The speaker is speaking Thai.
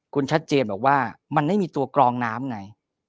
คุณชัดเจนบอกว่ามันไม่มีตัวกรองน้ำไง